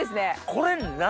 これ何？